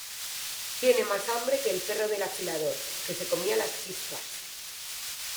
Tiene más hambre que el perro del afilador, que se comía las chispas